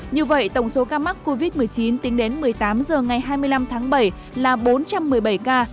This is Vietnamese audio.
như vậy tổng số ca mắc covid một mươi chín tính đến một mươi tám h ngày hai mươi năm tháng bảy là bốn trăm một mươi bảy ca